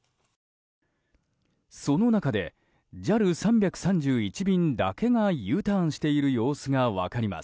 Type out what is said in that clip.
その中でＪＡＬ３３１便だけがＵターンしている様子が分かります。